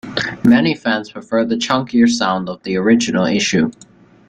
Many fans prefer the chunkier sound of the original issue.